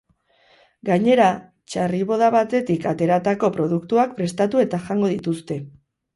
Gainera, txarriboda batetik ateratako produktuak prestatu eta jango dituzte.